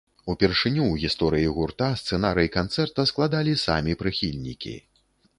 Упершыню ў гісторыі гурта сцэнарый канцэрта складалі самі прыхільнікі.